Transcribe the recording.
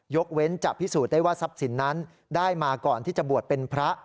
เว้นจะพิสูจน์ได้ว่าทรัพย์สินนั้นได้มาก่อนที่จะบวชเป็นพระ